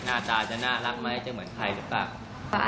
หน้าตาจะน่ารักไหมจะเหมือนใครหรือเปล่า